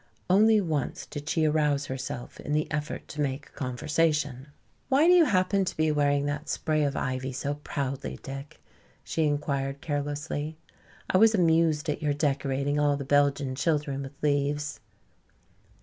Only once did she arouse herself in the effort to make conversation. "Why do you happen to be wearing that spray of ivy so proudly, Dick?" she inquired carelessly. "I was amused at your decorating all the Belgian children with leaves."